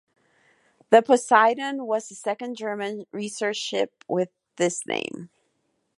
The "Poseidon" was the second German research ship with this name.